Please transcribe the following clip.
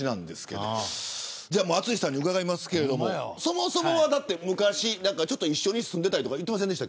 淳さんに伺いますけれどもそもそもは昔、一緒に住んでいたとか言ってませんでした。